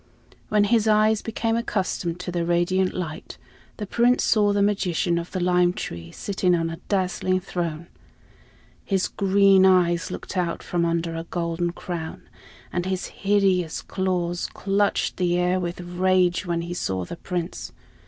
When his eyes became accustomed to the radiant light, the Prince saw the magician of the lime tree sitting on a dazzling throne. His green eyes looked out from under a golden crown, and his hideous claws clutched the air with rage when he saw the Prince.